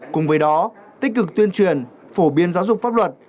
cùng với đó tích cực tuyên truyền phổ biến giáo dục pháp luật